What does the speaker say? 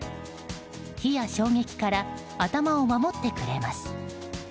火や衝撃から頭を守ってくれます。